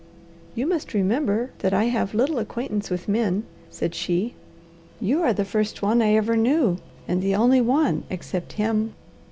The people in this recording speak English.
"You must remember that I have little acquaintance with men," said she. "You are the first one I ever knew, and the only one except him."